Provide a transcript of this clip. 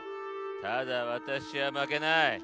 だがわたしはまけない。